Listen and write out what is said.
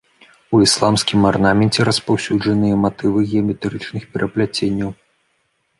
У ісламскім арнаменце распаўсюджаныя матывы геаметрычных перапляценняў.